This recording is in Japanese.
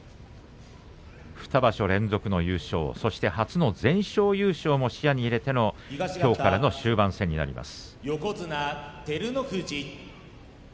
２場所連続の優勝、そして初の全勝優勝も視野に入れてのきょうからの終盤戦です。